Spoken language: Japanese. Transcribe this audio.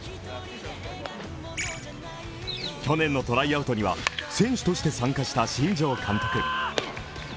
去年のトライアウトには選手として参加した新庄監督。